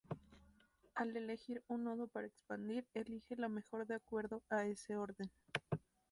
Al elegir un nodo para expandir, elige la mejor de acuerdo a ese orden.